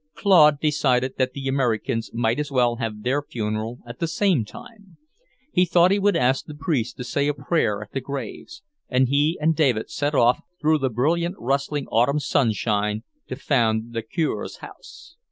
Claude decided that the Americans might as well have their funeral at the same time. He thought he would ask the priest to say a prayer at the graves, and he and David set off through the brilliant, rustling autumn sunshine to find the Cure's house.